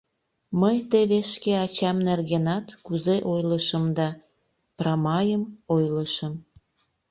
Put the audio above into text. Мый теве шке ачам нергенат кузе ойлышым да — прамайым ойлышым!